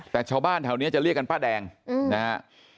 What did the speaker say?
แต่ชาวบ้านแถวนี้จะเรียกกันป้าแดงนะฮะ